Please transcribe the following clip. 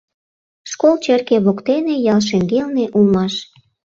Школ черке воктене, ял шеҥгелне, улмаш.